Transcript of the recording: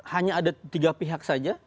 hanya ada tiga pihak saja